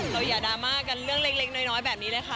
อย่าดราม่ากันเรื่องเล็กน้อยแบบนี้เลยค่ะ